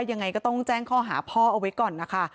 ยังไงก็ต้องแจ้งข้อหาพ่อเอาไว้ก่อนนะคะ